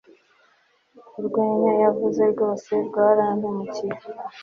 Urwenya yavuze rwose rwarampemukiye